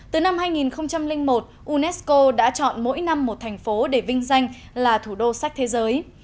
từ năm hai nghìn một unesco đã chọn mỗi năm một thành phố để vinh danh là thủ đô sách thế giới